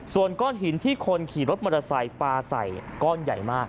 ส่วนก้อนหินที่คนขี่รถมอเตอร์ไซค์ปลาใส่ก้อนใหญ่มาก